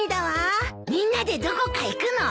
みんなでどこか行くの？